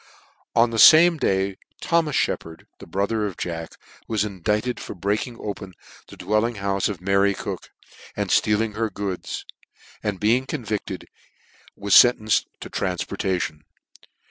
On the fame day Thomas Sheppard (the bro ther of Jack) was indicted for breaking open the dwclling houfe of Mary Cook, and ftealing her goods, and being convicted, was fentcnced to tranfportation.